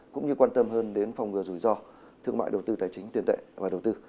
cũng như quan tâm hơn đến phòng ngừa rủi ro thương mại đầu tư tài chính tiền tệ và đầu tư